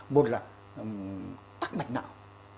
một là tắc mạch não